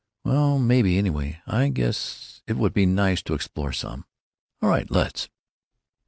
"Well, maybe; anyway, I guess it would be nice to explore some." "All right; let's."